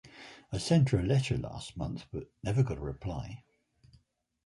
I sent her a letter last month but never got a reply.